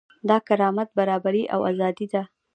دا کرامت، برابري او ازادي ده.